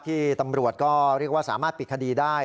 ที่ตำรวจก็เรียกว่าสามารถปิดคดีได้